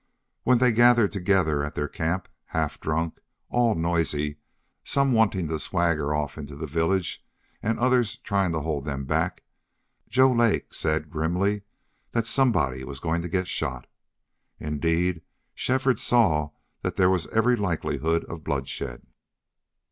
When they gathered together at their camp, half drunk, all noisy, some wanting to swagger off into the village and others trying to hold them back, Joe Lake said, grimly, that somebody was going to get shot. Indeed, Shefford saw that there was every likelihood of bloodshed.